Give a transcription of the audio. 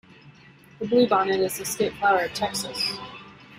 The bluebonnet is the state flower of Texas.